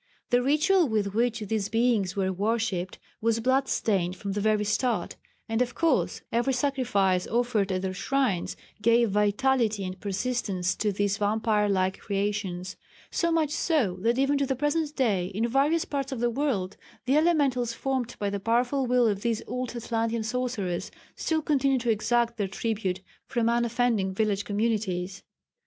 The ritual with which these beings were worshipped was blood stained from the very start, and of course every sacrifice offered at their shrine gave vitality and persistence to these vampire like creations so much so, that even to the present day in various parts of the world, the elementals formed by the powerful will of these old Atlantean sorcerers still continue to exact their tribute from unoffending village communities.